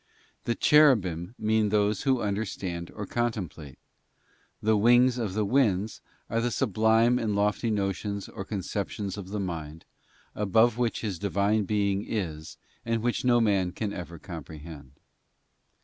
The ' cherubim' mean those who under stand or contemplate; the 'wings of the winds' are the sublime and lofty notions or conceptions of the mind, above which His Divine Being is, and which no man can ever comprehend.